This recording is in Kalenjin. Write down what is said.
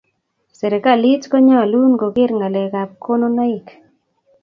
serekalit konyalun koker ngalek ab konunaik